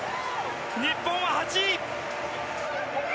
日本は８位！